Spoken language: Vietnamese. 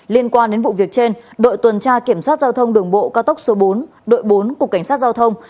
liên quan đến vụ việc trên đội tuần tra kiểm soát giao thông đường bộ cao tốc số bốn đội bốn cục cảnh sát giao thông